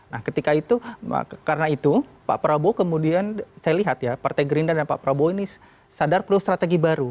nah ketika itu karena itu pak prabowo kemudian saya lihat ya partai gerindra dan pak prabowo ini sadar perlu strategi baru